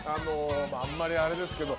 あんまりあれですけど。